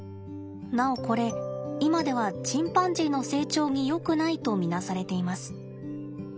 なおこれ今ではチンパンジーの成長によくないと見なされています。